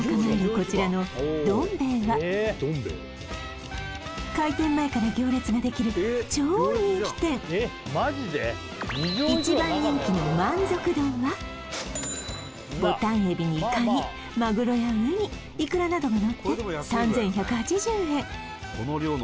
こちらの丼兵衛は開店前から行列ができる超人気店一番人気の満足丼はボタンえびにカニマグロやウニイクラなどがのって３１８０円